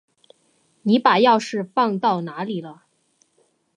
你把钥匙放到哪里了？